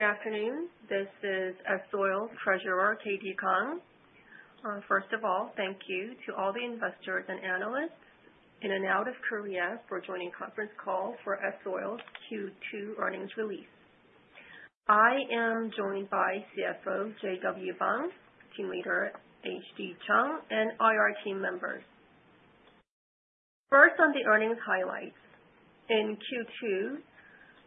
Good afternoon. This is S-Oil Treasurer, Katie Kang. First of all, thank you to all the investors and analysts in and out of Korea for joining conference call for S-Oil's Q2 earnings release. I am joined by CFO, Joo-Wan Bang, Team Leader HD Chung, and IR team members. First on the earnings highlights. In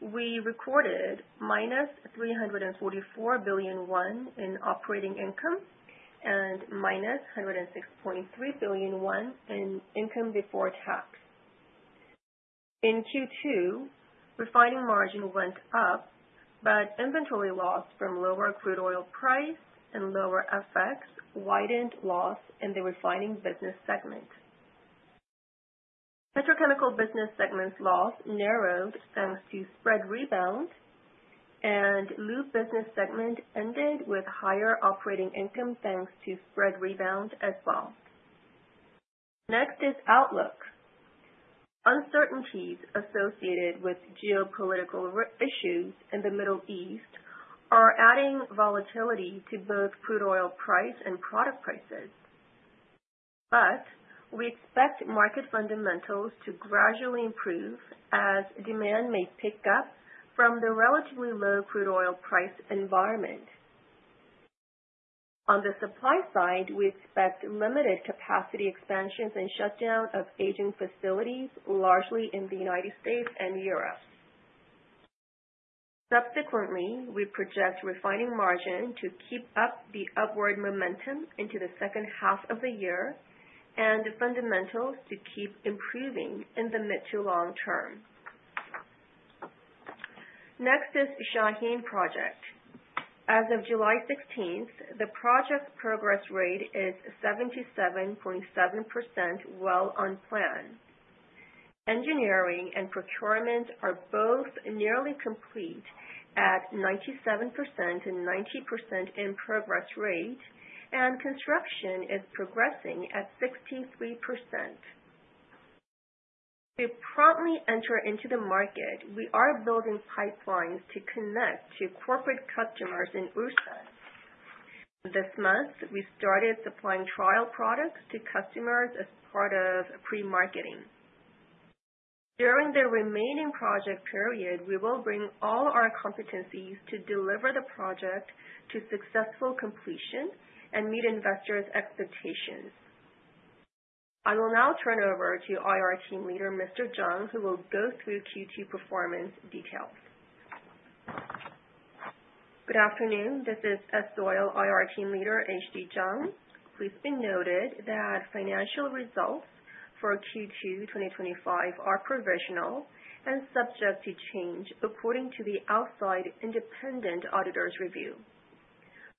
Q2, we recorded -344 billion won in operating income and -106.3 billion won in income before tax. In Q2, refining margin went up, but inventory loss from lower crude oil price and lower FX widened loss in the refining business segment. Petrochemical business segment's loss narrowed thanks to spread rebound, and lube business segment ended with higher operating income thanks to spread rebound as well. Next is outlook. Uncertainties associated with geopolitical issues in the Middle East are adding volatility to both crude oil price and product prices. We expect market fundamentals to gradually improve as demand may pick up from the relatively low crude oil price environment. On the supply side, we expect limited capacity expansions and shutdown of aging facilities, largely in the U.S. and Europe. Subsequently, we project refining margin to keep up the upward momentum into the second half of the year and the fundamentals to keep improving in the mid to long term. Next is Shaheen project. As of July 16th, the project progress rate is 77.7%, well on plan. Engineering and procurement are both nearly complete at 97% and 90% in progress rate, and construction is progressing at 63%. To promptly enter into the market, we are building pipelines to connect to corporate customers in Ulsan. This month, we started supplying trial products to customers as part of pre-marketing. During the remaining project period, we will bring all our competencies to deliver the project to successful completion and meet investors' expectations. I will now turn over to IR Team Leader, Mr. Chung, who will go through Q2 performance details. Good afternoon. This is S-Oil IR Team Leader, HD Chung. Please been noted that financial results for Q2 2025 are provisional and subject to change according to the outside independent auditor's review.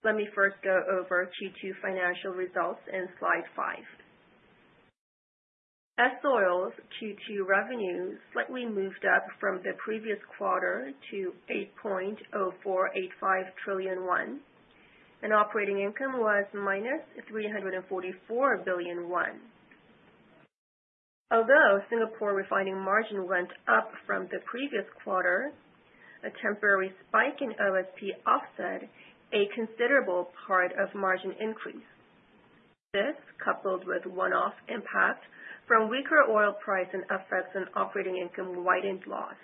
Let me first go over Q2 financial results in slide five. S-Oil's Q2 revenues slightly moved up from the previous quarter to 8.0485 trillion won. An operating income was -344 billion won. Although Singapore refining margin went up from the previous quarter, a temporary spike in OSP offset a considerable part of margin increase. This, coupled with one-off impact from weaker oil price and FX, an operating income widened loss.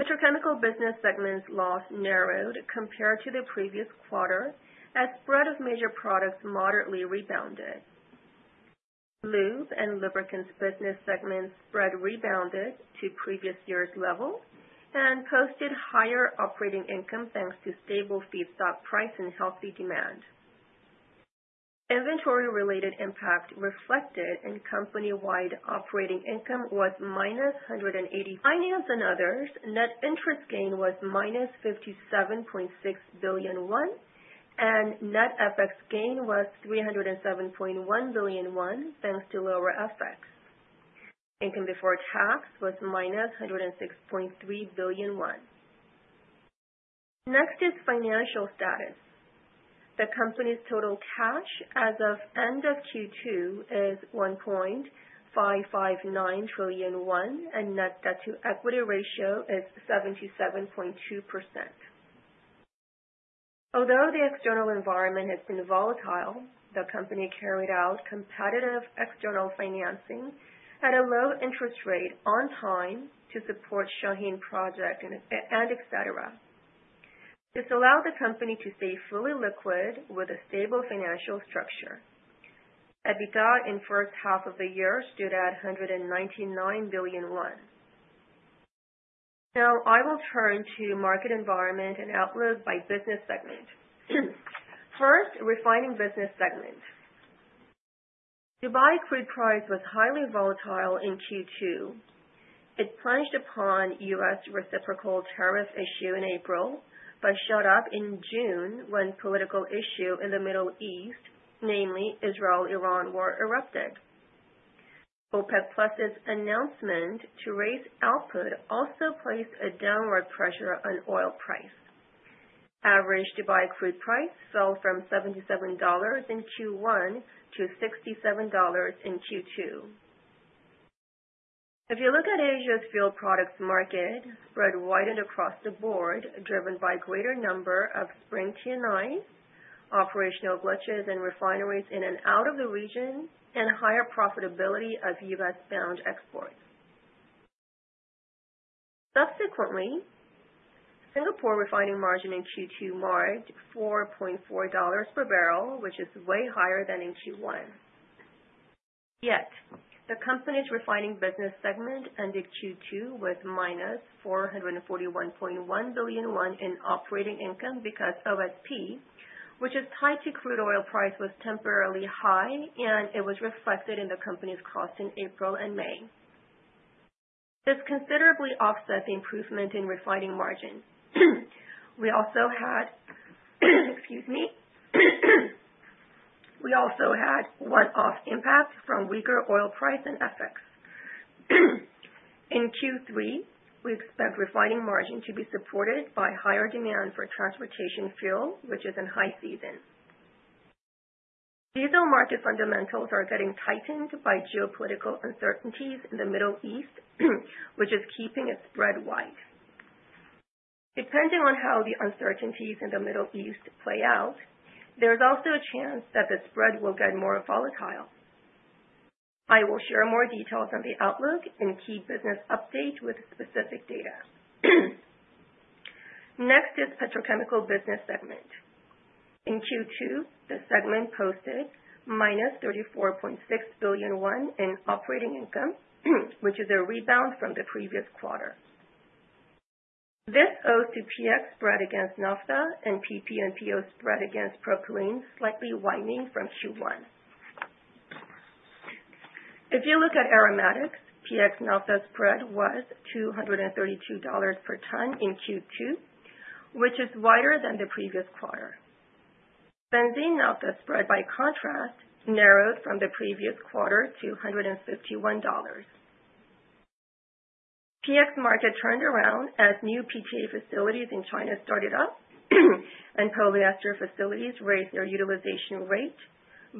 Petrochemical business segment's loss narrowed compared to the previous quarter as spread of major products moderately rebounded. Lube and lubricants business segment spread rebounded to previous year's level and posted higher operating income thanks to stable feedstock price and healthy demand. Inventory-related impact reflected in company-wide operating income was -180 billion. Finance and others, net interest gain was -57.6 billion won, and net FX gain was 307.1 billion won, thanks to lower FX. Income before tax was -106.3 billion won. Next is financial status. The company's total cash as of end of Q2 is 1.559 trillion won and net debt to equity ratio is 77.2%. Although the external environment has been volatile, the company carried out competitive external financing at a low interest rate on time to support Shaheen project and et cetera. This allowed the company to stay fully liquid with a stable financial structure. EBITDA in first half of the year stood at 199 billion won. I will turn to market environment and outlook by business segment. First, Refining business segment. Dubai crude price was highly volatile in Q2. It plunged upon U.S. reciprocal tariff issue in April but shot up in June when political issue in the Middle East, namely Israel-Iran War, erupted. OPEC+'s announcement to raise output also placed a downward pressure on oil price. Average Dubai crude price fell from $77 in Q1 to $67 in Q2. If you look at Asia's fuel products market, spread widened across the board, driven by greater number of spring T&Is, operational glitches in refineries in and out of the region, and higher profitability of U.S.-bound exports. Subsequently, Singapore refining margin in Q2 marked $4.4 per barrel, which is way higher than in Q1. The company's Refining business segment ended Q2 with minus 441.1 billion won in operating income because OSP, which is tied to crude oil price, was temporarily high, and it was reflected in the company's cost in April and May. This considerably offset the improvement in refining margin. We also had one-off impacts from weaker oil price and FX. In Q3, we expect refining margin to be supported by higher demand for transportation fuel, which is in high season. Diesel market fundamentals are getting tightened by geopolitical uncertainties in the Middle East, which is keeping its spread wide. Depending on how the uncertainties in the Middle East play out, there's also a chance that the spread will get more volatile. I will share more details on the outlook in key business update with specific data. Next is Petrochemical business segment. In Q2, the segment posted minus 34.6 billion in operating income, which is a rebound from the previous quarter. This owes to PX spread against Naphtha and PP and PO spread against Propylene slightly widening from Q1. If you look at aromatics, PX/Naphtha spread was $232 per ton in Q2, which is wider than the previous quarter. Benzene/Naphtha spread, by contrast, narrowed from the previous quarter to $151. PX market turned around as new PTA facilities in China started up and polyester facilities raised their utilization rate,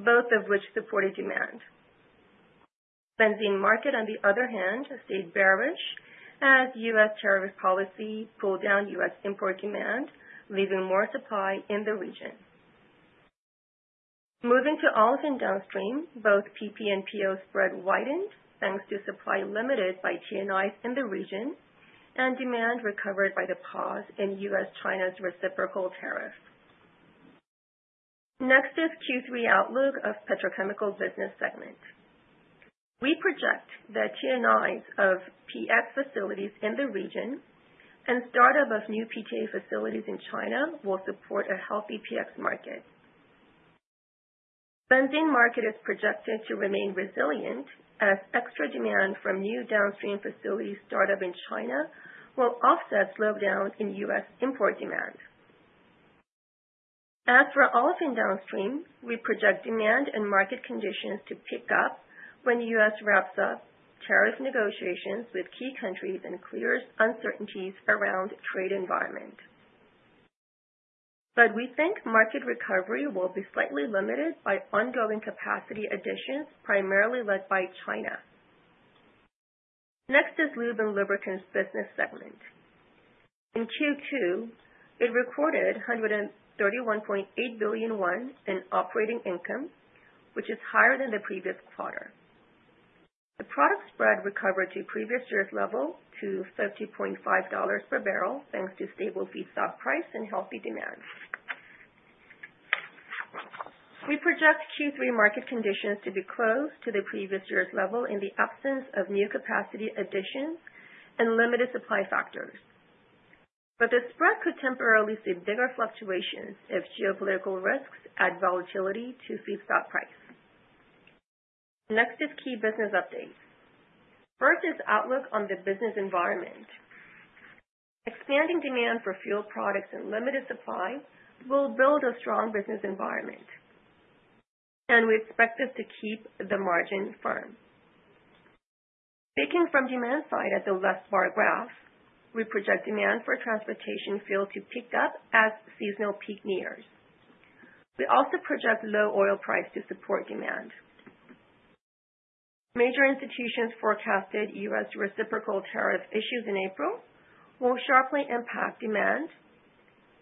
both of which supported demand. Benzene market, on the other hand, stayed bearish as U.S. tariff policy pulled down U.S. import demand, leaving more supply in the region. Moving to Olefins downstream, both PP and PO spread widened thanks to supply limited by T&Is in the region and demand recovered by the pause in U.S.-China's reciprocal tariff. Next is Q3 outlook of Petrochemical business segment. We project that T&Is of PX facilities in the region and start-up of new PTA facilities in China will support a healthy PX market. Benzene market is projected to remain resilient as extra demand from new downstream facilities start-up in China will offset slowdown in U.S. import demand. As for Olefins downstream, we project demand and market conditions to pick up when U.S. wraps up tariff negotiations with key countries and clears uncertainties around trade environment. We think market recovery will be slightly limited by ongoing capacity additions, primarily led by China. Next is Lube & Lubricants business segment. In Q2, it recorded 131.8 billion won in operating income, which is higher than the previous quarter. The product spread recovered to previous year's level to $30.5 per barrel, thanks to stable feedstock price and healthy demand. We project Q3 market conditions to be close to the previous year's level in the absence of new capacity addition and limited supply factors. But the spread could temporarily see bigger fluctuations if geopolitical risks add volatility to feedstock price. Next is key business updates. First is outlook on the business environment. Expanding demand for fuel products and limited supply will build a strong business environment, and we expect it to keep the margin firm. Taking from demand side as the left bar graph, we project demand for transportation fuel to pick up as seasonal peak nears. We also project low oil price to support demand. Major institutions forecasted U.S. reciprocal tariff issues in April will sharply impact demand.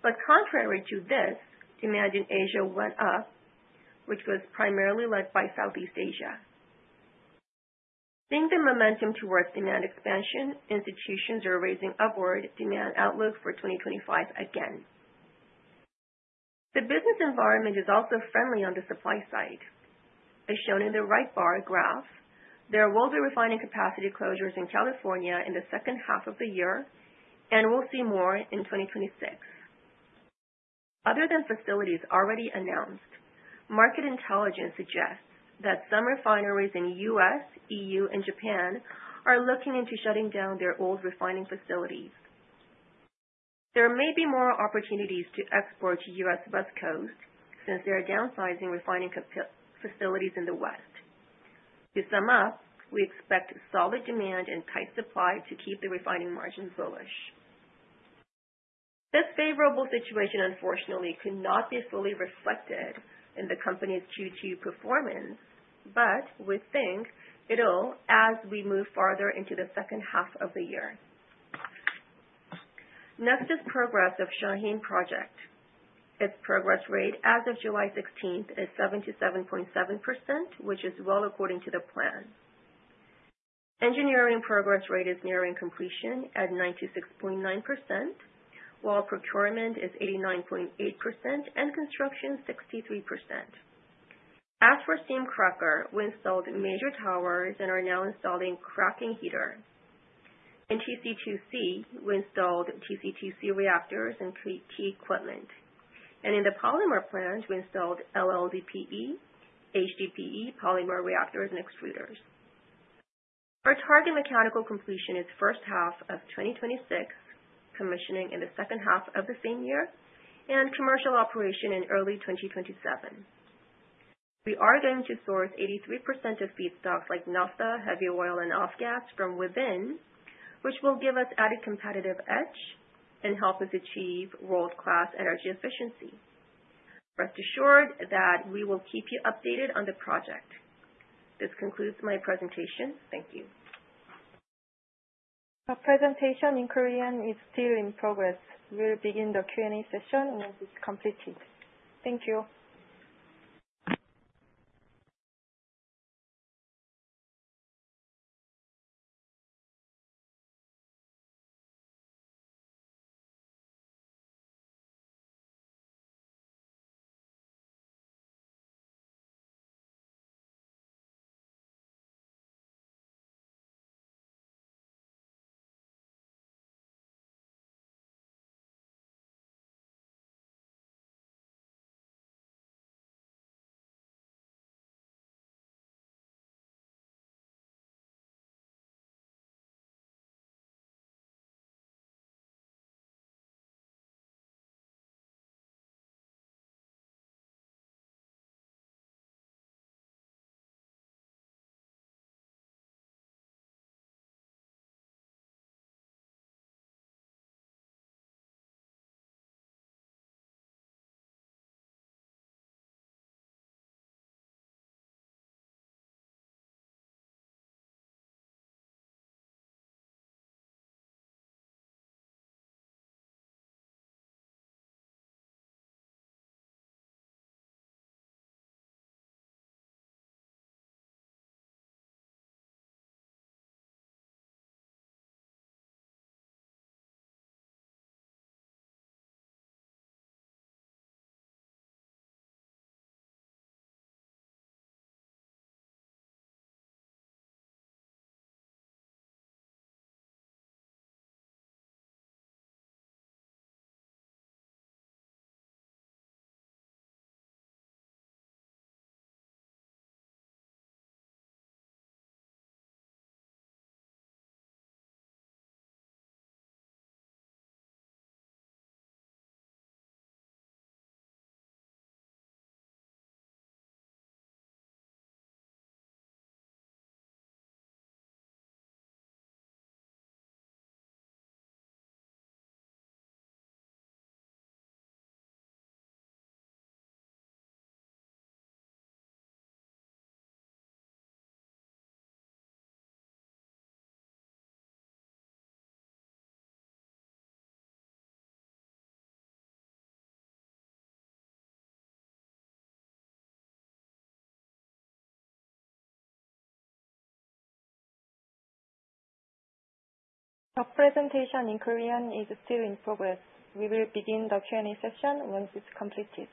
But contrary to this, demand in Asia went up, which was primarily led by Southeast Asia. Seeing the momentum towards demand expansion, institutions are raising upward demand outlook for 2025 again. The business environment is also friendly on the supply side. As shown in the right bar graph, there will be refining capacity closures in California in the second half of the year, and we'll see more in 2026. Other than facilities already announced, market intelligence suggests that some refineries in U.S., EU, and Japan are looking into shutting down their old refining facilities. There may be more opportunities to export to U.S. West Coast since they are downsizing refining facilities in the West. To sum up, we expect solid demand and tight supply to keep the refining margins bullish. This favorable situation unfortunately could not be fully reflected in the company's Q2 performance, but we think it'll as we move farther into the second half of the year. Next is progress of Shaheen project. Its progress rate as of July 16th is 77.7%, which is well according to the plan. Engineering progress rate is nearing completion at 96.9%, while procurement is 89.8% and construction 63%. As for steam cracker, we installed major towers and are now installing cracking heater. In TC2C, we installed TC2C reactors and key equipment. And in the polymer plant, we installed LLDPE, HDPE polymer reactors and extruders. Our target mechanical completion is first half of 2026, commissioning in the second half of the same year, and commercial operation in early 2027. We are going to source 83% of feedstocks like naphtha, heavy oil and off-gas from within, which will give us added competitive edge and help us achieve world-class energy efficiency. Rest assured that we will keep you updated on the project. This concludes my presentation. Thank you. The presentation in Korean is still in progress. We'll begin the Q&A session once it's completed. Thank you. The presentation in Korean is still in progress. We will begin the Q&A session once it's completed.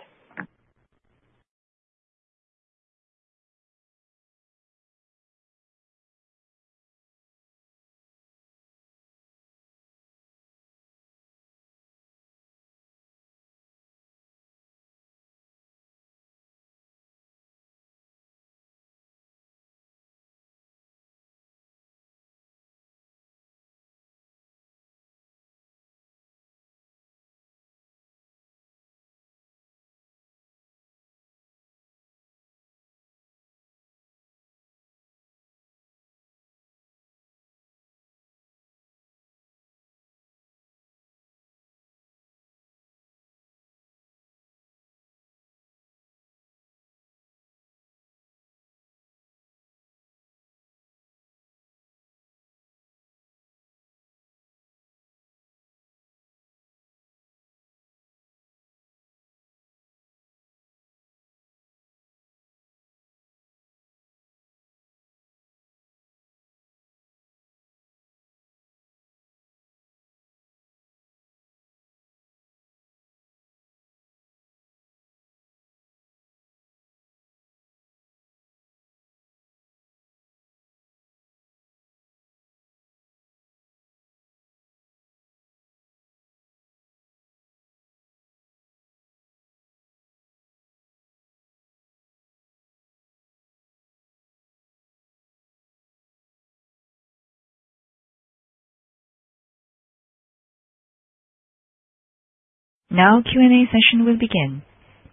Now Q&A session will begin.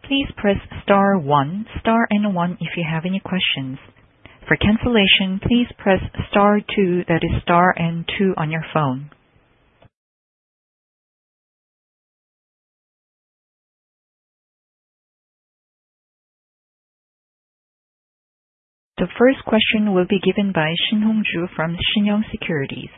Please press star one, star and one if you have any questions. For cancellation, please press star two. That is star and two on your phone. The first question will be given by Shin Hong Joo from Shinhan Securities.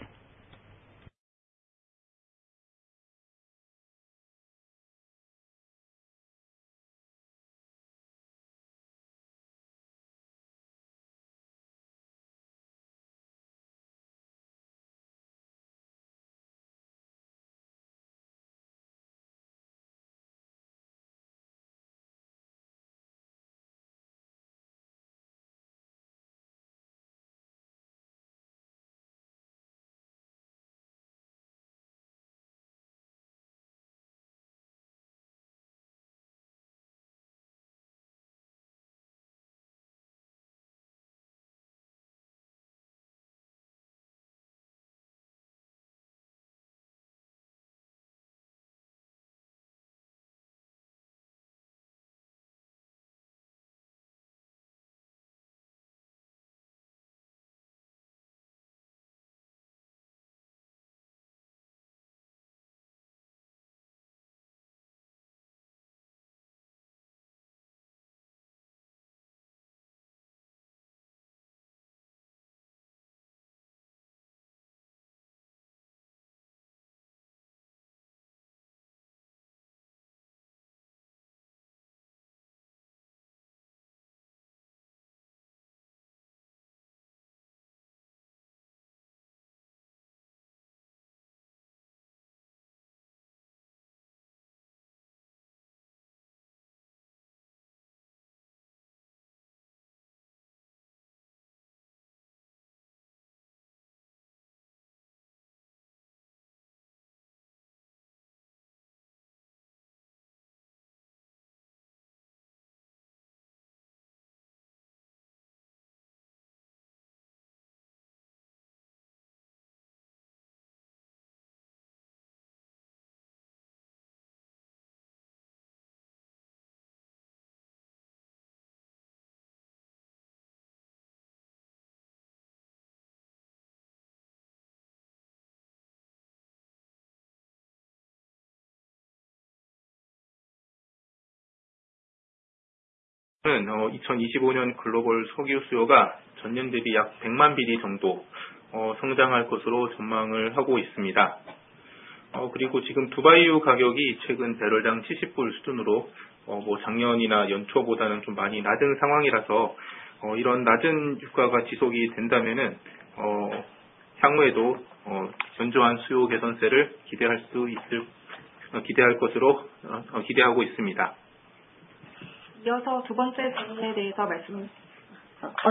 On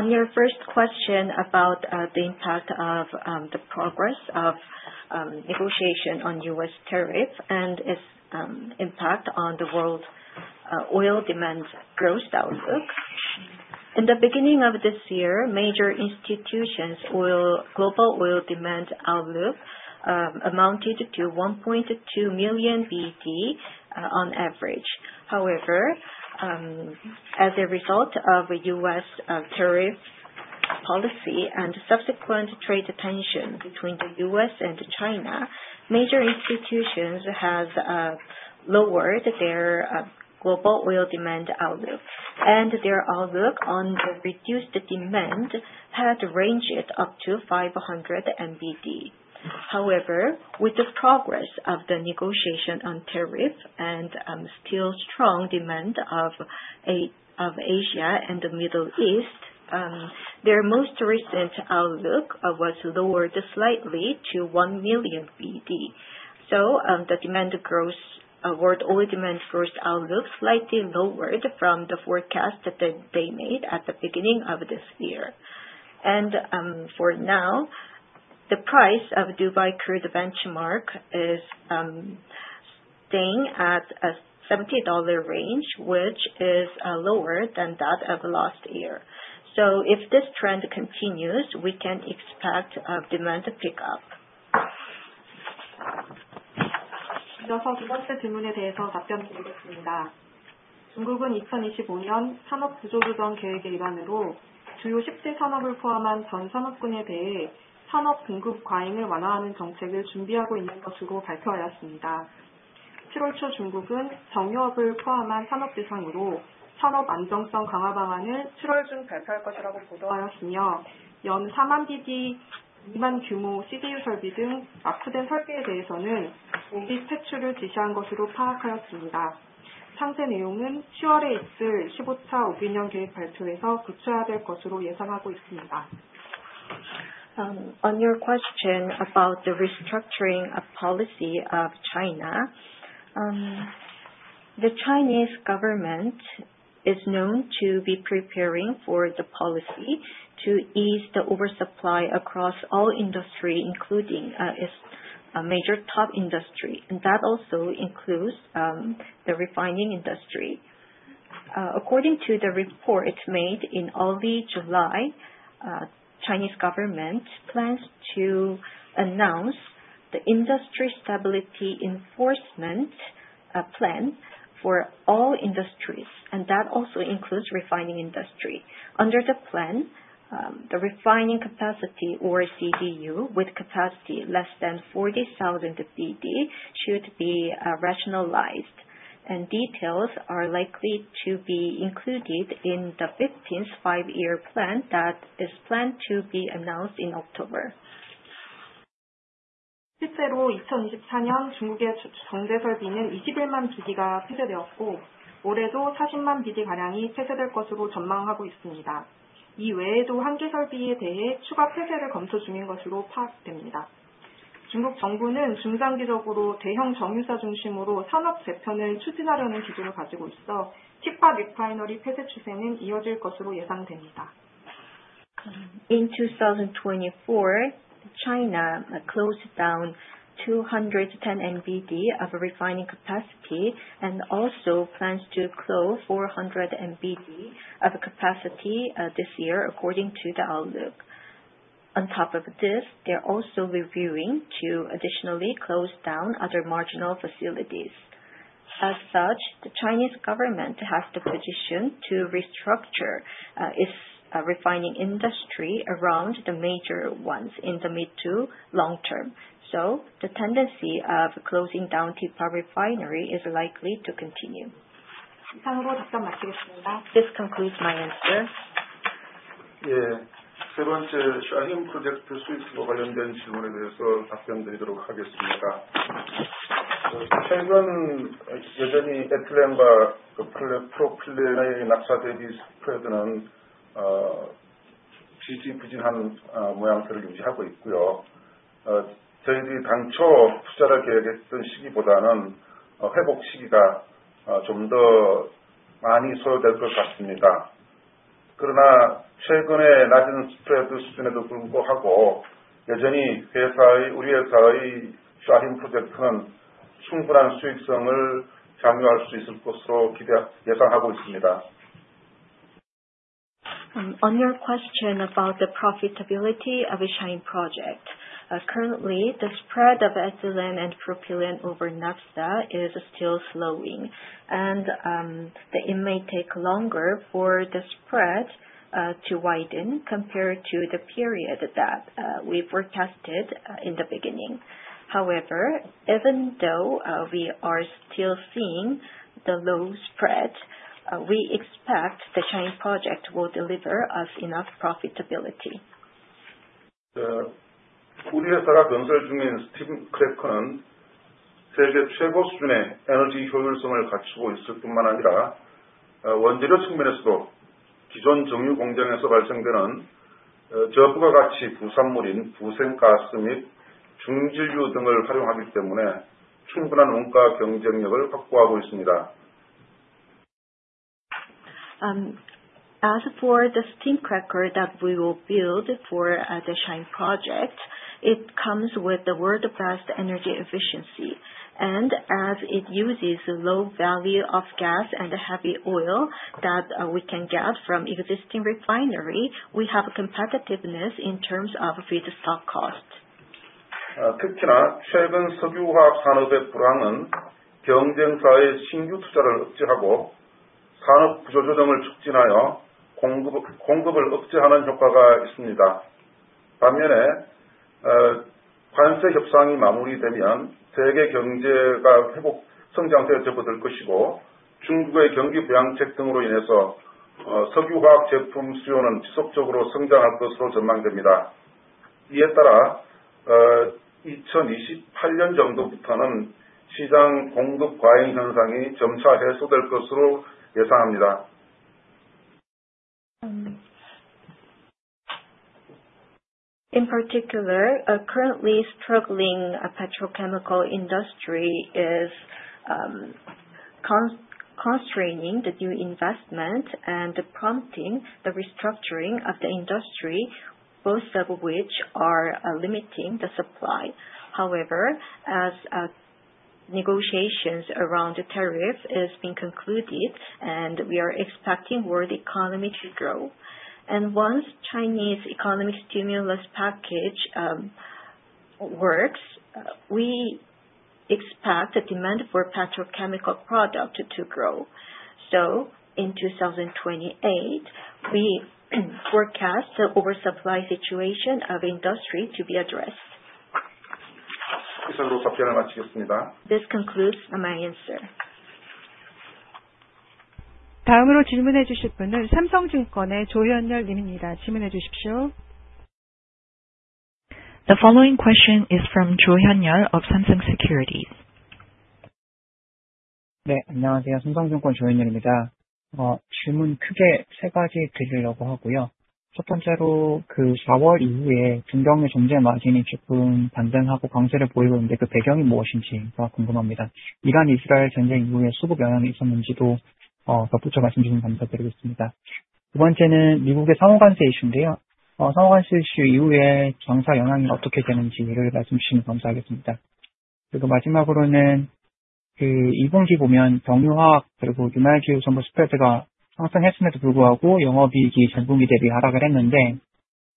your first question about the impact of the progress of negotiation on U.S. tariff and its impact on the world oil demand growth outlook. In the beginning of this year, major institutions' global oil demand outlook amounted to 1.2 million BD on average. However, as a result of U.S. tariff policy and subsequent trade tension between the U.S. and China, major institutions have lowered their global oil demand outlook, and their outlook on the reduced demand had ranged up to 500 MBD. However, with the progress of the negotiation on tariff and still strong demand of Asia and the Middle East, their most recent outlook was lowered slightly to 1 million BD. The world oil demand first outlook slightly lowered from the forecast that they made at the beginning of this year. For now, the price of Dubai crude benchmark is staying at a $70 range, which is lower than that of last year. If this trend continues, we can expect a demand pickup. On your question about the restructuring policy of China. The Chinese government is known to be preparing for the policy to ease the oversupply across all industry, including its major top industry, and that also includes the refining industry. According to the report made in early July, Chinese government plans to announce the industry stability enforcement plan for all industries, and that also includes refining industry. Under the plan, the refining capacity or CDU, with capacity less than 40,000 BD should be rationalized, and details are likely to be included in the 15th Five-Year Plan that is planned to be announced in October. 실제로 2024년 중국의 정제 설비는 21만 BD가 폐쇄되었고, 올해도 40만 BD 가량이 폐쇄될 것으로 전망하고 있습니다. 이 외에도 1개 설비에 대해 추가 폐쇄를 검토 중인 것으로 파악됩니다. 중국 정부는 중장기적으로 대형 정유사 중심으로 산업 재편을 추진하려는 기조를 가지고 있어 teapot refinery 폐쇄 추세는 이어질 것으로 예상됩니다. In 2024, China closed down 210 MBD of refining capacity and also plans to close 400 MBD of capacity this year, according to the outlook. On top of this, they are also reviewing to additionally close down other marginal facilities. As such, the Chinese government has the position to restructure its refining industry around the major ones in the mid to long term. The tendency of closing down teapot refinery is likely to continue. 이상으로 답변 마치겠습니다. This concludes my answer. 세 번째, 샤힌 프로젝트 수익과 관련된 질문에 대해서 답변드리도록 하겠습니다. 최근 여전히 에틸렌과 프로필렌의 나프사 대비 스프레드는 지지부진한 모양새를 유지하고 있고요. 저희들이 당초 투자를 계획했던 시기보다는 회복 시기가 좀더 많이 소요될 것 같습니다. 그러나 최근의 낮은 스프레드 수준에도 불구하고 여전히 우리 회사의 샤힌 프로젝트는 충분한 수익성을 창출할 수 있을 것으로 예상하고 있습니다. On your question about the profitability of the Shaheen project. Currently, the spread of ethylene and propylene over naphtha is still slowing, and it may take longer for the spread to widen compared to the period that we forecasted in the beginning. Even though we are still seeing the low spread, we expect the Shaheen project will deliver us enough profitability. 우리 회사가 건설 중인 스팀 크래커는 세계 최고 수준의 에너지 효율성을 갖추고 있을 뿐만 아니라, 원재료 측면에서도 기존 정유 공장에서 발생되는 저부가 가치 부산물인 부생가스 및 중질유 등을 활용하기 때문에 충분한 원가 경쟁력을 확보하고 있습니다. As for the steam cracker that we will build for the Shaheen project, it comes with the world-class energy efficiency. As it uses low value of gas and heavy oil that we can get from existing refinery, we have competitiveness in terms of feedstock cost. 특히나 최근 석유화학 산업의 불황은 경쟁사의 신규 투자를 억제하고 산업 구조조정을 촉진하여 공급을 억제하는 효과가 있습니다. 반면에 관세 협상이 마무리되면 세계 경제가 회복 성장세로 접어들 것이고, 중국의 경기 부양책 등으로 인해서 석유화학 제품 수요는 지속적으로 성장할 것으로 전망됩니다. 이에 따라 2028년 정도부터는 시장 공급 과잉 현상이 점차 해소될 것으로 예상합니다. In particular, currently struggling petrochemical industry is constraining the new investment and prompting the restructuring of the industry, both of which are limiting the supply. As negotiations around the tariff is being concluded and we are expecting world economy to grow. Once Chinese economy stimulus package works, we expect the demand for petrochemical product to grow. In 2028, we forecast the oversupply situation of industry to be addressed. 이상으로 답변을 마치겠습니다. This concludes my answer. 다음으로 질문해 주실 분은 삼성증권의 조현렬 님입니다. 질문해 주십시오. The following question is from 조현렬 of Samsung Securities. 네, 안녕하세요. 삼성증권 조현렬입니다. 질문 크게 세 가지 드리려고 하고요. 첫 번째로 4월 이후에 중경의 정제 마진이 조금 반등하고 강세를 보이고 있는데 그 배경이 무엇인지가 궁금합니다. 이란-이스라엘 전쟁 이후에 수급 영향이 있었는지도 덧붙여 말씀 주시면 감사드리겠습니다. 두 번째는 미국의 상호관세 이슈인데요. 상호관세 이슈 이후에 정사 영향이 어떻게 되는지를 말씀해 주시면 감사하겠습니다. 그리고 마지막으로는 2분기 보면 정유, 화학, 그리고 윤활유 주요 제품 스프레드가 상승했음에도 불구하고 영업이익이 전분기 대비 하락을 했는데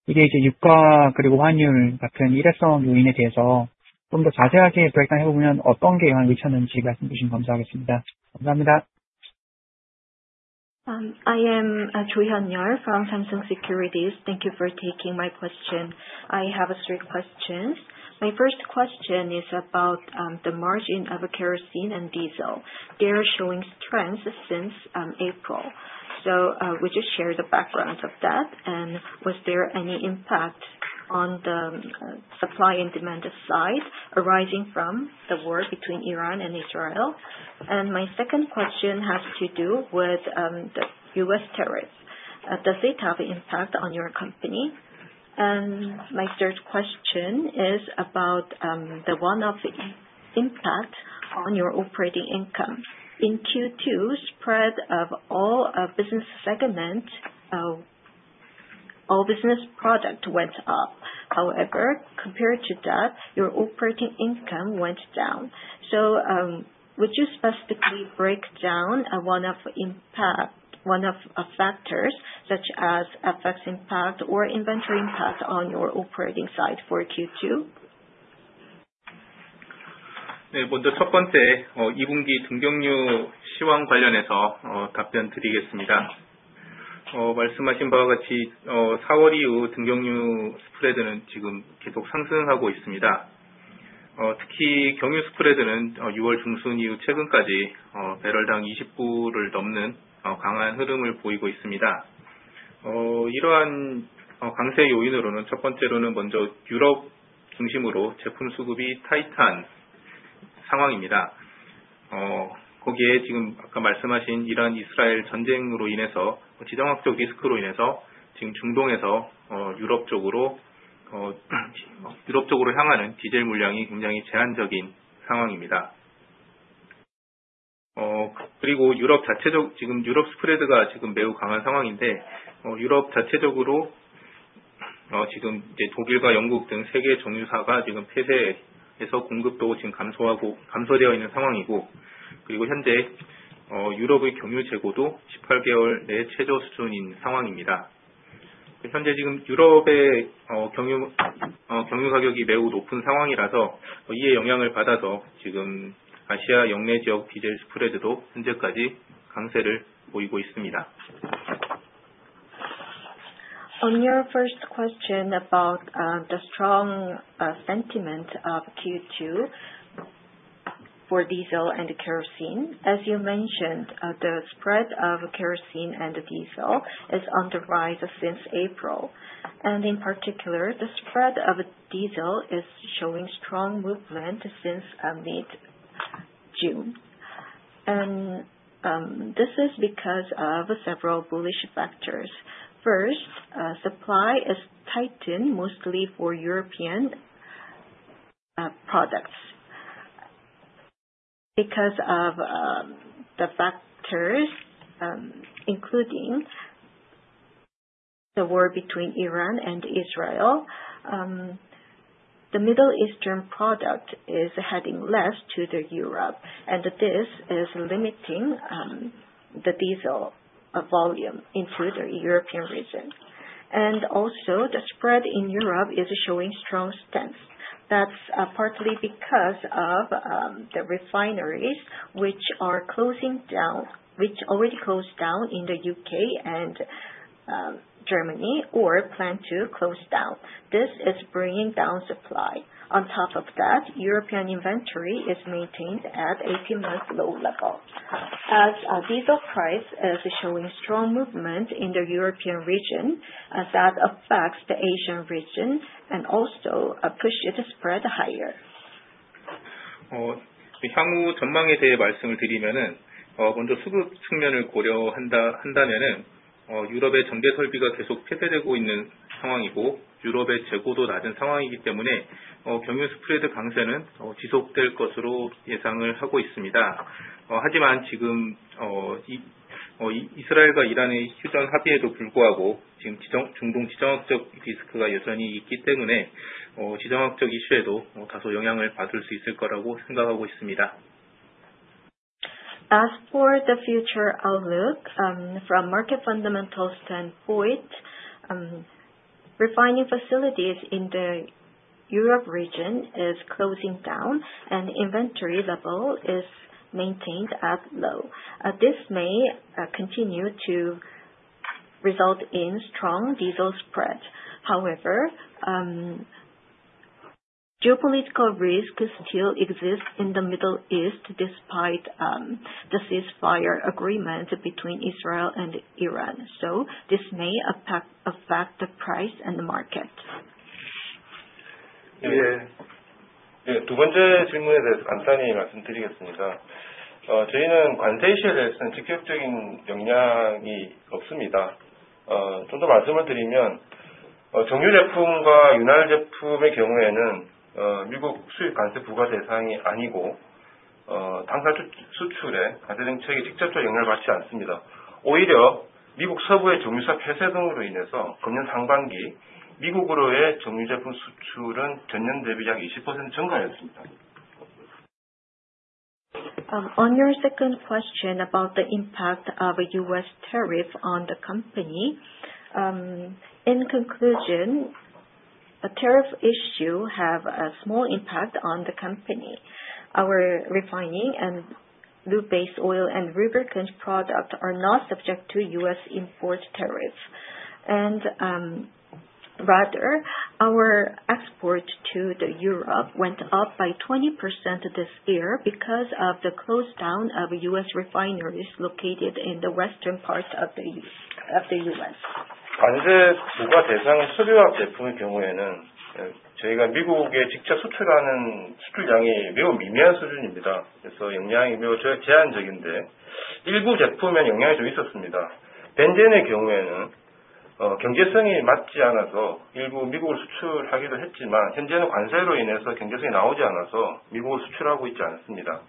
유가 그리고 환율 같은 일회성 요인에 대해서 좀더 자세하게, 어떤 게 영향을 미쳤는지 말씀해 주시면 감사하겠습니다. 감사합니다. I am Cho Hyun-lyul from Samsung Securities. Thank you for taking my question. I have three questions. My first question is about the margin of kerosene and diesel. They are showing trends since April. Would you share the backgrounds of that? Was there any impact on the supply and demand side arising from the war between Iran and Israel? My second question has to do with the U.S. tariffs. Does it have impact on your company? My third question is about the one-off impact on your operating income. In Q2, spread of all business segment, all business product went up. Compared to that, your operating income went down. Would you specifically break down one of factors, such as FX impact or inventory impact on your operating side for Q2? 먼저 첫 번째, 2분기 등유 시황 관련해서 답변드리겠습니다. 말씀하신 바와 같이 4월 이후 등유 스프레드는 계속 상승하고 있습니다. 특히 경유 스프레드는 6월 중순 이후 최근까지 배럴당 $20을 넘는 강한 흐름을 보이고 있습니다. 이러한 강세 요인으로는 첫 번째로 유럽 중심으로 제품 수급이 타이트한 상황입니다. 거기에 아까 말씀하신 이란, 이스라엘 전쟁으로 인한 지정학적 리스크로 인해서 중동에서 유럽 쪽으로 향하는 디젤 물량이 굉장히 제한적인 상황입니다. 유럽 스프레드가 매우 강한 상황인데, 유럽 자체적으로 독일과 영국 등 3개 정유사가 폐쇄해서 공급도 감소되어 있는 상황이고, 현재 유럽의 경유 재고도 18개월 내 최저 수준인 상황입니다. 현재 유럽의 경유 가격이 매우 높은 상황이라서 이에 영향을 받아서 아시아 역내 지역 디젤 스프레드도 현재까지 강세를 보이고 있습니다. On your first question about the strong sentiment of Q2 for diesel and kerosene. As you mentioned, the spread of kerosene and diesel is on the rise since April. In particular, the spread of diesel is showing strong movement since mid June. This is because of several bullish factors. First, supply is tightened mostly for European products. Because of the factors, including the war between Iran and Israel, the Middle Eastern product is heading less to the Europe, this is limiting the diesel volume into the European region. Also, the spread in Europe is showing strong strength. That's partly because of the refineries which already closed down in the U.K. and Germany or plan to close down. This is bringing down supply. On top of that, European inventory is maintained at 18-month low level. As diesel price is showing strong movement in the European region, that affects the Asian region and also pushes the spread higher. 향후 전망에 대해 말씀을 드리면, 먼저 수급 측면을 고려한다면 유럽의 정제 설비가 계속 폐쇄되고 있는 상황이고, 유럽의 재고도 낮은 상황이기 때문에 경유 스프레드 강세는 지속될 것으로 예상을 하고 있습니다. 하지만 지금 이스라엘과 이란의 휴전 합의에도 불구하고 중동 지정학적 리스크가 여전히 있기 때문에 지정학적 이슈에도 다소 영향을 받을 수 있을 거라고 생각하고 있습니다. As for the future outlook from market fundamentals standpoint, refining facilities in the Europe region is closing down and inventory level is maintained at low. This may continue to result in strong diesel spread. However, geopolitical risk still exists in the Middle East despite the ceasefire agreement between Israel and Iran. This may affect the price and the market. 네, 두 번째 질문에 대해서 간단히 말씀드리겠습니다. 저희는 관세 이슈에 대해서는 직접적인 영향이 없습니다. 좀더 말씀을 드리면 정유 제품과 윤활유 제품의 경우에는 미국 수입 관세 부과 대상이 아니고, 당사 수출에 관세 정책이 직접적으로 영향을 받지 않습니다. 오히려 미국 서부의 정유사 폐쇄 등으로 인해서 금년 상반기 미국으로의 정유 제품 수출은 전년 대비 약 20% 증가하였습니다. On your second question about the impact of a U.S. tariff on the company. In conclusion, a tariff issue have a small impact on the company. Our refining and lube base oil and lubricants product are not subject to U.S. import tariffs. Rather, our export to the Europe went up by 20% this year because of the close down of U.S. refineries located in the western part of the U.S. 관세 부과 대상 수류화 제품의 경우에는 저희가 미국에 직접 수출하는 수출량이 매우 미미한 수준입니다. 그래서 영향이 매우 제한적인데 일부 제품에 영향이 좀 있었습니다. 벤젠의 경우에는 경제성이 맞지 않아서 일부 미국으로 수출하기도 했지만, 현재는 관세로 인해서 경제성이 나오지 않아서 미국으로 수출하고 있지 않습니다.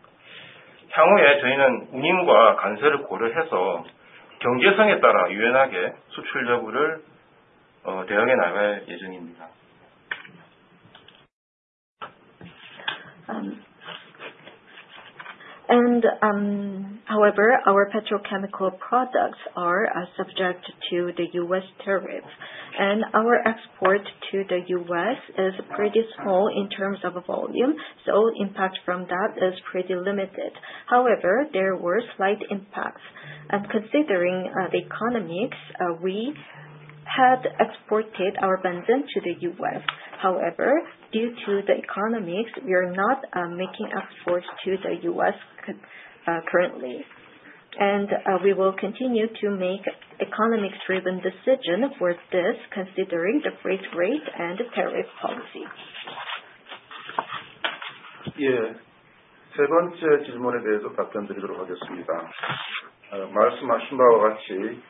향후에 저희는 운임과 관세를 고려해서 경제성에 따라 유연하게 수출 여부를 대응해 나갈 예정입니다. Our petrochemical products are subject to the U.S. tariff, and our export to the U.S. is pretty small in terms of volume. Impact from that is pretty limited. However, there were slight impacts. Considering the economics, we had exported our Benzene to the U.S. However, due to the economics, we are not making exports to the U.S. currently. We will continue to make economics-driven decision for this considering the freight rate and the tariff policy. 세 번째 질문에 대해서 답변드리도록 하겠습니다. 말씀하신 바와 같이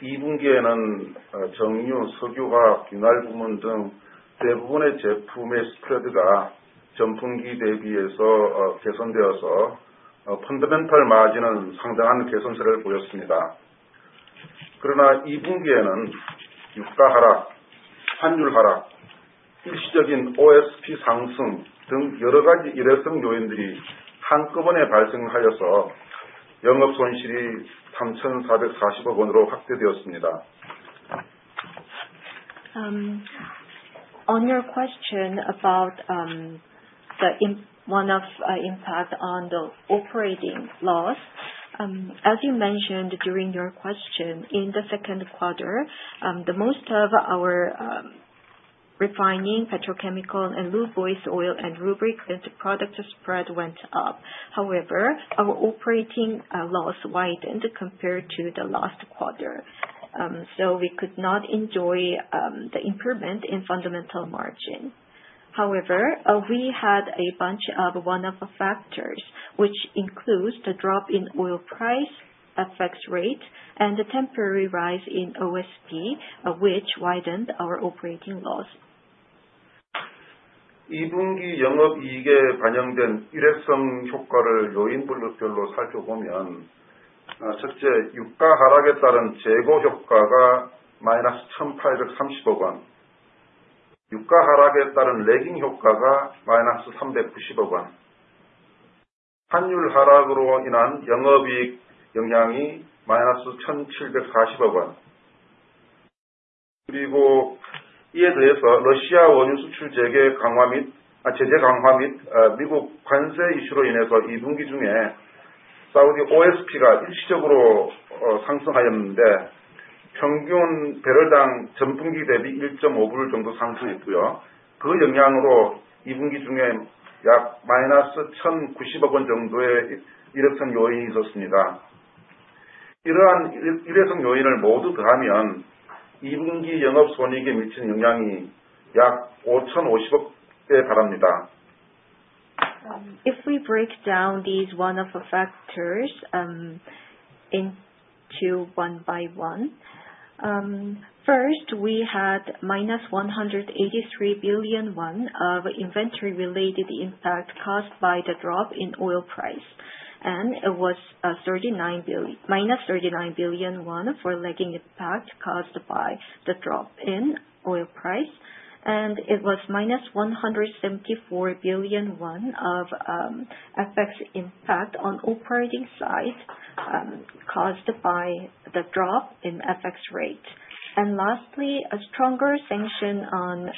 이 분기에는 정유, 석유화학, 윤활유 부문 등 대부분의 제품의 spread가 전분기 대비해서 개선되어서 fundamental margin은 상당한 개선세를 보였습니다. 그러나 이 분기에는 유가 하락, 환율 하락, 일시적인 OSP 상승 등 여러 가지 일회성 요인들이 한꺼번에 발생하여서 영업손실이 3,440억원으로 확대되었습니다. On your question about one-off impact on the operating loss. As you mentioned during your question, in the second quarter, most of our refining petrochemical and lube base oil and lubricant product spread went up. However, our operating loss widened compared to the last quarter, we could not enjoy the improvement in fundamental margin. However, we had a bunch of one-off factors, which includes the drop in oil price, FX rate, and the temporary rise in OSP, which widened our operating loss. 2분기 영업이익에 반영된 일회성 효과를 요인별로 살펴보면, 첫째, 유가 하락에 따른 재고 효과가 -1,830억원, 유가 하락에 따른 lagging 효과가 -390억원, 환율 하락으로 인한 영업이익 영향이 -1,740억원. 그리고 이에 더해서 러시아 원유 수출 제재 강화 및 미국 관세 이슈로 인해서 2분기 중에 Saudi OSP가 일시적으로 상승하였는데 평균 배럴당 전분기 대비 $1.5 정도 상승했고요. 그 영향으로 2분기 중에 약 -1,090억원 정도의 일회성 요인이 있었습니다. 이러한 일회성 요인을 모두 더하면 2분기 영업손익에 미친 영향이 약 5,050억원에 달합니다. If we break down these one-off factors into one by one. First, we had -183 billion won of inventory-related impact caused by the drop in oil price, and it was -39 billion for lagging impact caused by the drop in oil price, and it was -174 billion won of FX impact on operating side caused by the drop in FX rate. Lastly, a stronger sanction on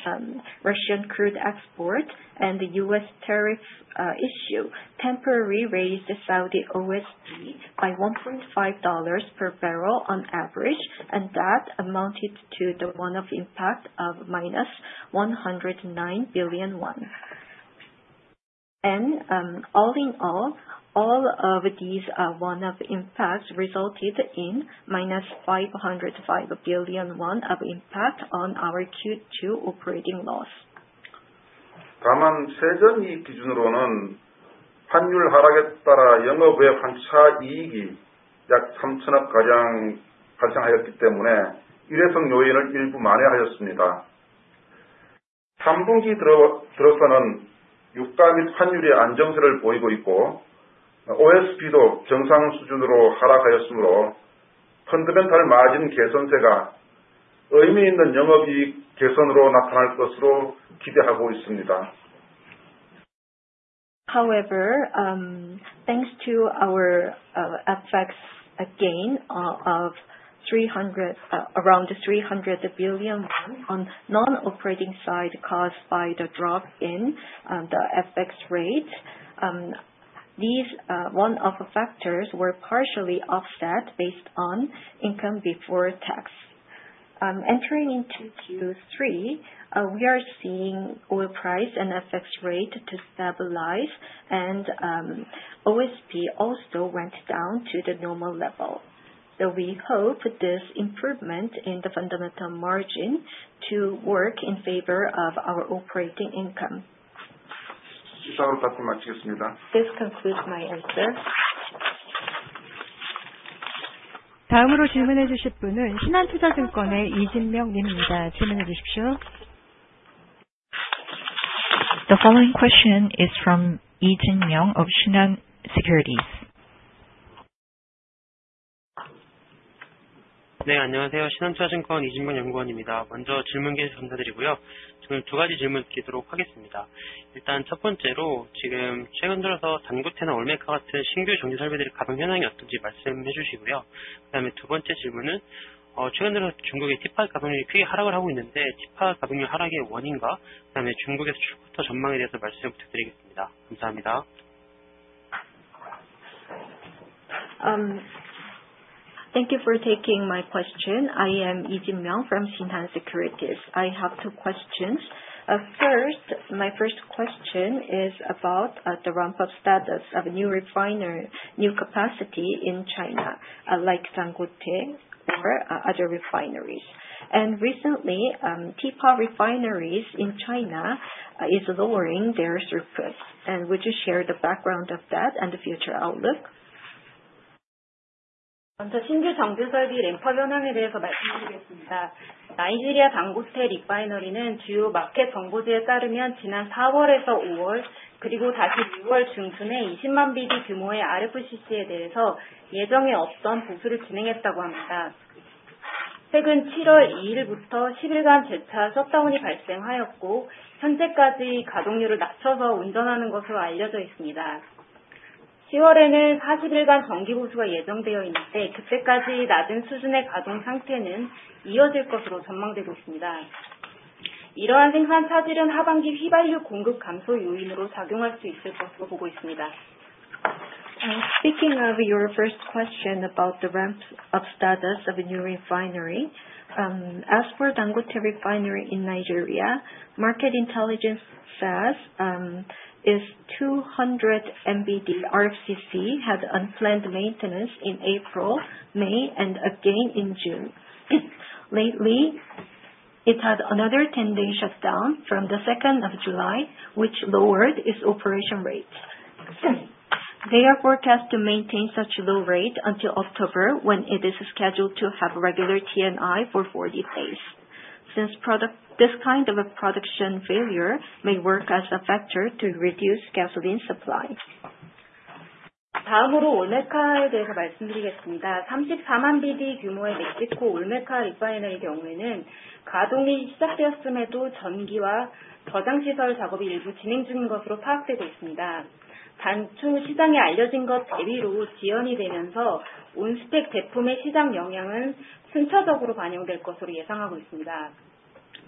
Russian crude export and the U.S. tariff issue temporarily raised the Saudi OSP by $1.5 per barrel on average, and that amounted to the one-off impact of -109 billion won. All in all of these one-off impacts resulted in -505 billion won of impact on our Q2 operating loss. 다만 세전이익 기준으로는 환율 하락에 따라 영업 외 환차 이익이 약 3천억가량 발생하였기 때문에 일회성 요인을 일부 만회하였습니다. 3분기 들어서는 유가 및 환율이 안정세를 보이고 있고 OSP도 정상 수준으로 하락하였으므로 fundamental margin 개선세가 의미 있는 영업이익 개선으로 나타날 것으로 기대하고 있습니다. However, thanks to our FX gain of around 300 billion won on non-operating side caused by the drop in the FX rate. These one-off factors were partially offset based on income before tax. Entering into Q3, we are seeing oil price and FX rate to stabilize, and OSP also went down to the normal level. We hope this improvement in the fundamental margin to work in favor of our operating income. 이상의 발표 마치겠습니다. This concludes my answer. 다음으로 질문해 주실 분은 신한투자증권의 이진명 님입니다. 질문해 주십시오. The following question is from 이진명 of 신한 Securities. 네, 안녕하세요. 신한투자증권 이진명 연구원입니다. 먼저 질문 기회 감사드리고요. 저는 두 가지 질문드리도록 하겠습니다. 일단 첫 번째로 최근 들어서 Dangote나 Olmeca 같은 신규 정제설비들의 가동 현황이 어떤지 말씀해 주시고요. 그다음에 두 번째 질문은 최근 들어서 중국의 teapot 가동률이 크게 하락을 하고 있는데 teapot 가동률 하락의 원인과 그다음에 중국의 fuel quota 전망에 대해서 말씀 부탁드리겠습니다. 감사합니다. Speaking of your first question about the ramp-up status of a new refinery. As for Dangote refinery in Nigeria, Market Intelligence says its 200 MBD RFCC had unplanned maintenance in April, May, and again in June. Lately, it had another 10-day shutdown from the 2nd of July, which lowered its operation rate. They are forecast to maintain such low rate until October, when it is scheduled to have regular T&I for 40 days. This kind of a production failure may work as a factor to reduce gasoline supply. 먼저 신규 정제설비 램프 현황에 대해서 말씀드리겠습니다. 나이지리아 Dangote 리파이너리는 주요 마켓 정보지에 따르면 지난 4월에서 5월, 그리고 다시 6월 중순에 20만 BD 규모의 RFCC에 대해서 예정에 없던 보수를 진행했다고 합니다. 최근 7월 2일부터 10일간 재차 셧다운이 발생하였고, 현재까지 가동률을 낮춰서 운전하는 것으로 알려져 있습니다. 10월에는 40일간 정기 보수가 예정되어 있는데 그때까지 낮은 수준의 가동 상태는 이어질 것으로 전망되고 있습니다. 이러한 생산 차질은 하반기 휘발유 공급 감소 요인으로 작용할 수 있을 것으로 보고 있습니다. Speaking of your first question about the ramp of status of a new refinery. As for Dangote refinery in Nigeria, market intelligence says its 200 MBD RFCC had unplanned maintenance in April, May, and again in June. Lately, it had another 10-day shutdown from the 2nd of July, which lowered its operation rate. They are forecast to maintain such low rate until October, when it is scheduled to have regular T&I for 40 days. Since this kind of a production failure may work as a factor to reduce gasoline supply. 다음으로 Olmeca에 대해서 말씀드리겠습니다. 34만 BD 규모의 멕시코 Olmeca 리파이너의 경우에는 가동이 시작되었음에도 전기와 저장 시설 작업이 일부 진행 중인 것으로 파악되고 있습니다. 단, 총 시장에 알려진 것 대비로 지연이 되면서 on-spec 제품의 시장 영향은 순차적으로 반영될 것으로 예상하고 있습니다.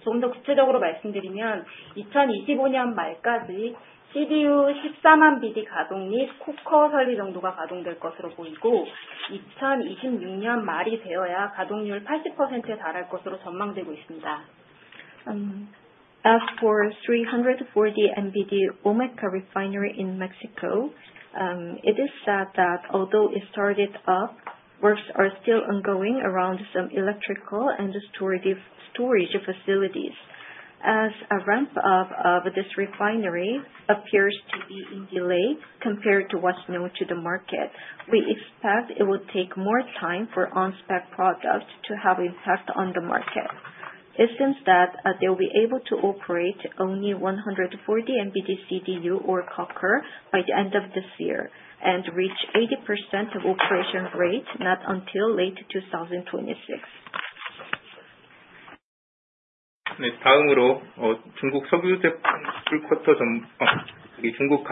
조금 더 구체적으로 말씀드리면 2025년 말까지 CDU 14만 BD 가동 및 coker 설비 정도가 가동될 것으로 보이고, 2026년 말이 되어야 가동률 80%에 달할 것으로 전망되고 있습니다. As for 340 MBD Olmeca refinery in Mexico, it is said that although it started up, works are still ongoing around some electrical and storage facilities. As a ramp up of this refinery appears to be in delay compared to what's known to the market, we expect it will take more time for on-spec products to have impact on the market. It seems that they'll be able to operate only 140 MBD CDU or coker by the end of this year and reach 80% of operation rate not until late 2026. 네, 다음으로 중국 석유제품 풀쿼터 정 중국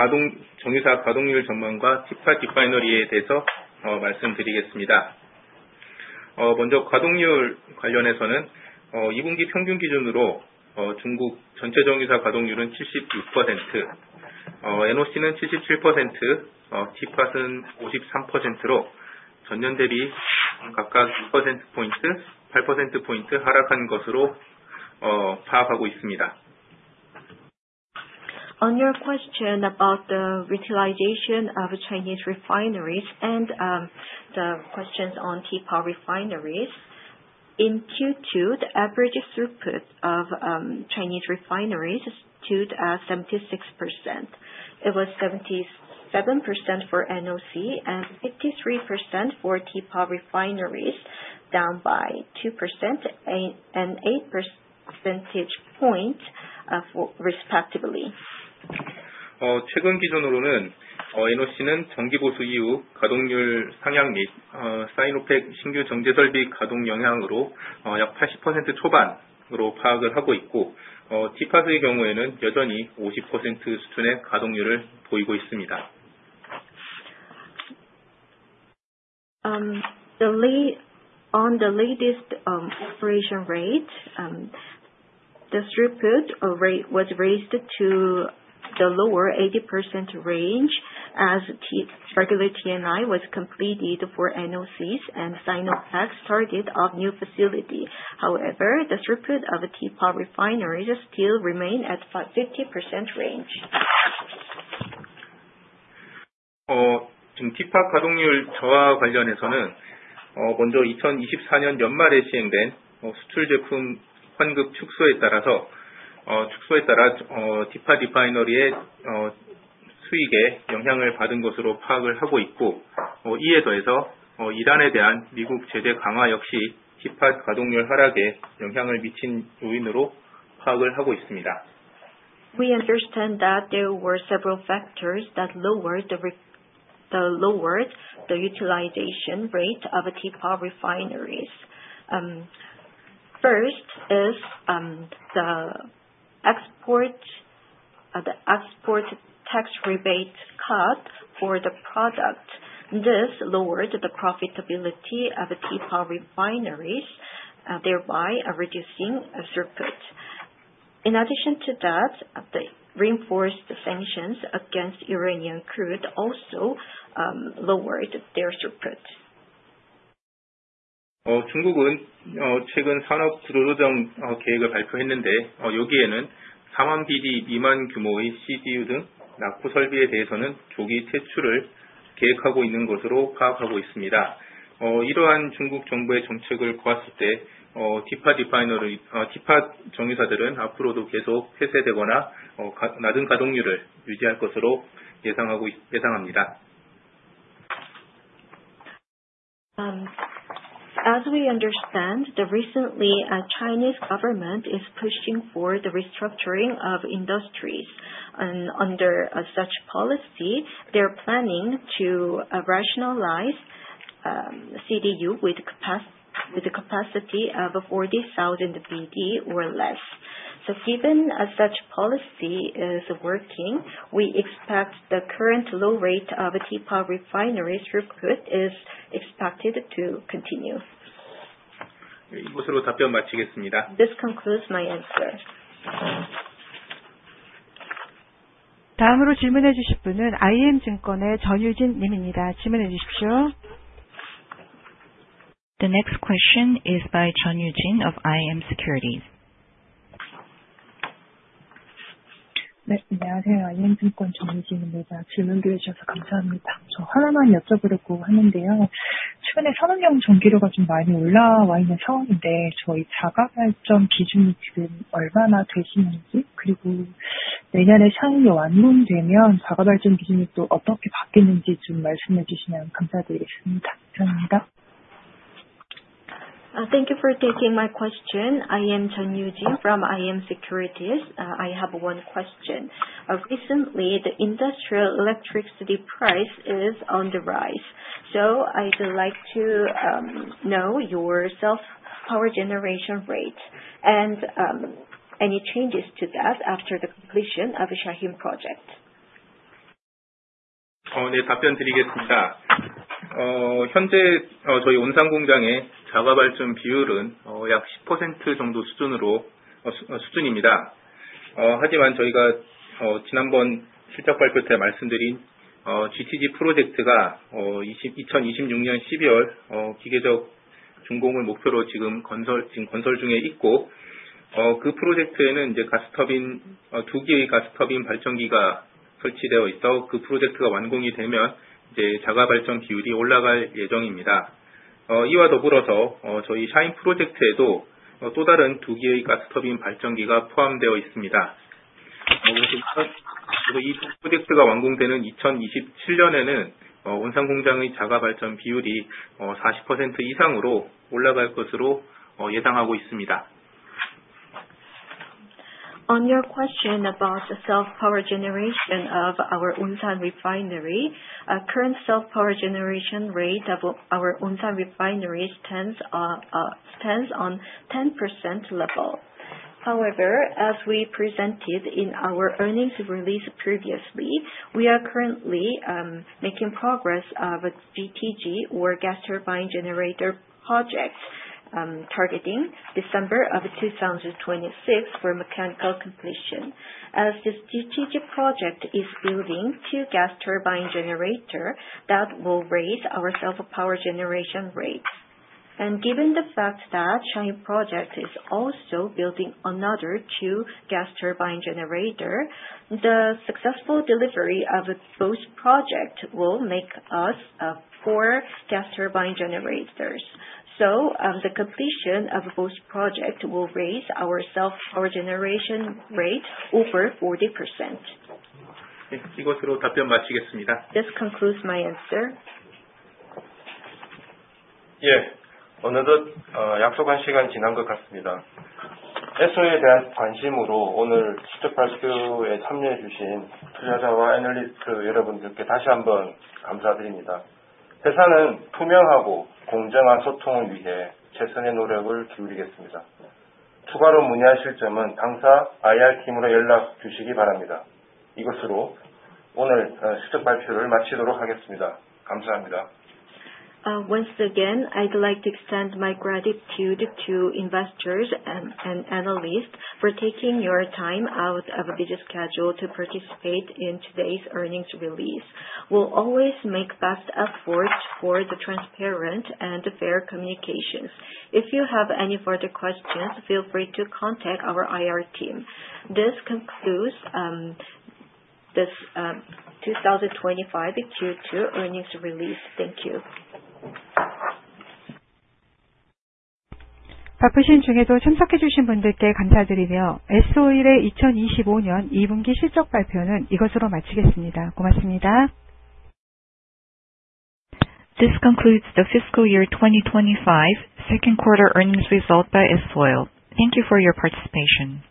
정유사 가동률 전망과 teapot 리파이너리에 대해서 말씀드리겠습니다. 먼저 가동률 관련해서는 2분기 평균 기준으로 중국 전체 정유사 가동률은 76%, NOC는 77%, teapot은 53%로 전년 대비 각각 2%p, 8%p 하락한 것으로 파악하고 있습니다. On your question about the utilization of Chinese refineries and the questions on teapot refineries. In Q2, the average throughput of Chinese refineries stood at 76%. It was 77% for NOC and 53% for teapot refineries, down by 2% and 8 percentage point respectively. 최근 기준으로는 NOC는 정기 보수 이후 가동률 상향 및 Sinopec 신규 정제설비 가동 영향으로 약 80% 초반으로 파악을 하고 있고, TPAR의 경우에는 여전히 50% 수준의 가동률을 보이고 있습니다. On the latest operation rate, throughput rate was raised to the lower 80% range as regular T&I was completed for NOCs and Sinopec's target of new facility. The throughput of teapot refineries still remain at 50% range. TPAR 가동률 저하와 관련해서는 먼저 2024년 연말에 시행된 수출 제품 환급 축소에 따라 TPAR 리파이너리의 수익에 영향을 받은 것으로 파악을 하고 있고, 이에 더해서 이란에 대한 미국 제재 강화 역시 TPAR 가동률 하락에 영향을 미친 요인으로 파악을 하고 있습니다. We understand that there were several factors that lowered the utilization rate of teapot refineries. First is the export tax rebate cut for the product. This lowered the profitability of teapot refineries, thereby reducing throughput. In addition to that, the reinforced sanctions against Iranian crude also lowered their throughput. 중국은 최근 산업 구조조정 계획을 발표했는데, 여기에는 4만 BD 미만 규모의 CDU 등 낙후 설비에 대해서는 조기 퇴출을 계획하고 있는 것으로 파악하고 있습니다. 이러한 중국 정부의 정책을 보았을 때, teapot 정유사들은 앞으로도 계속 폐쇄되거나 낮은 가동률을 유지할 것으로 예상합니다. As we understand, recently Chinese government is pushing for the restructuring of industries. Under such policy, they're planning to rationalize CDU with the capacity of 40,000 BD or less. Given such policy is working, we expect the current low rate of teapot refinery throughput is expected to continue. 이것으로 답변 마치겠습니다. This concludes my answer. 다음으로 질문해 주실 분은 iM증권의 전유진 님입니다. 질문해 주십시오. The next question is by 전유진 of iM Securities. 네, 안녕하세요. iM증권 전유진입니다. 질문 기회 주셔서 감사합니다. 하나만 여쭤보려고 하는데요. 최근에 산업용 전기료가 많이 올라와 있는 상황인데 저희 자가 발전 기준이 지금 얼마나 되시는지, 그리고 내년에 샤힌이 완공되면 자가 발전 기준이 또 어떻게 바뀌는지 말씀해 주시면 감사드리겠습니다. 감사합니다. Thank you for taking my question. I am 전유진 from iM Securities. I have one question. Recently, the industrial electricity price is on the rise. I would like to know your self-power generation rate and any changes to that after the completion of the Shaheen project. 네, 답변드리겠습니다. 현재 저희 온산공장의 자가 발전 비율은 약 10% 정도 수준입니다. 하지만 저희가 지난번 실적 발표 때 말씀드린 GTG 프로젝트가 2026년 12월 기계적 준공을 목표로 지금 건설 중에 있고, 그 프로젝트에는 두 개의 가스 터빈 발전기가 설치되어 있어 그 프로젝트가 완공이 되면 자가 발전 비율이 올라갈 예정입니다. 이와 더불어서 저희 샤힌 프로젝트에도 또 다른 두 개의 가스 터빈 발전기가 포함되어 있습니다. 그래서 이 프로젝트가 완공되는 2027년에는 온산공장의 자가 발전 비율이 40% 이상으로 올라갈 것으로 예상하고 있습니다. On your question about the self-power generation of our Onsan Refinery. Current self-power generation rate of our Onsan Refinery stands on 10% level. As we presented in our earnings release previously, we are currently making progress of GTG or gas turbine generator projects, targeting December of 2026 for mechanical completion. As this GTG project is building 2 gas turbine generators, that will raise our self-power generation rates. Given the fact that Shaheen project is also building another 2 gas turbine generators, the successful delivery of both project will make us 4 gas turbine generators. The completion of both project will raise our self-power generation rate over 40%. 이것으로 답변 마치겠습니다. This concludes my answer. 어느덧 약속한 시간이 지난 것 같습니다. S-Oil에 대한 관심으로 오늘 실적 발표에 참여해 주신 투자자와 애널리스트 여러분들께 다시 한번 감사드립니다. 회사는 투명하고 공정한 소통을 위해 최선의 노력을 기울이겠습니다. 추가로 문의하실 점은 항상 IR팀으로 연락 주시기 바랍니다. 이것으로 오늘 실적 발표를 마치도록 하겠습니다. 감사합니다. Once again, I'd like to extend my gratitude to investors and analysts for taking your time out of a busy schedule to participate in today's earnings release. We'll always make best efforts for the transparent and fair communications. If you have any further questions, feel free to contact our IR team. This concludes this 2025 Q2 earnings release. Thank you. 바쁘신 중에도 참석해 주신 분들께 감사드리며, S-Oil의 2025년 2분기 실적 발표는 이것으로 마치겠습니다. 고맙습니다. This concludes the fiscal year 2025 second quarter earnings result by S-Oil. Thank you for your participation.